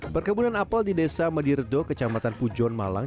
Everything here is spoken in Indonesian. perkebunan apel di desa mediredo kecamatan pujon malang